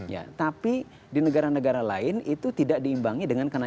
ya tapi di negara negara lain itu tidak diimbangi dengan negara negara lain